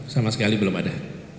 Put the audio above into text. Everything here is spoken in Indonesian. sama sekali belum ada